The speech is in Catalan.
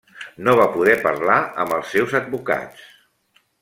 No va poder parlar amb els seus advocats.